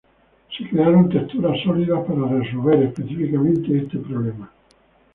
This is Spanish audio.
Se crearon texturas sólidas para resolver específicamente este problema.